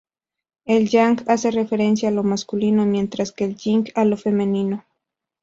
El "yang" hace referencia a lo masculino, mientras que el "yin" a lo femenino.